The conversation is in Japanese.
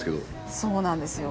そうなんですよ。